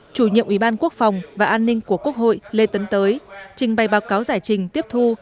chủ nhiệm ủy ban quốc phòng và an ninh của quốc hội lê tấn tới trình bày báo cáo giải trình tiếp thu